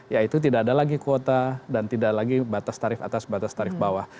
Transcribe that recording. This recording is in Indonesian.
yaitu tidak ada lagi kuota dan tidak lagi batas tarif atas batas tarif bawah